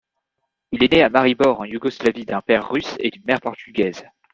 Il est né à Maribor en Yougoslavie d'un père russe et d'une mère portugaise.